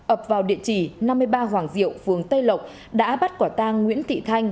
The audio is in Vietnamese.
ập vào địa chỉ năm mươi ba hoàng diệu phường tây lộc đã bắt quả tang nguyễn thị thanh